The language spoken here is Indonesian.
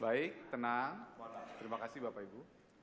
baik tenang terima kasih bapak ibu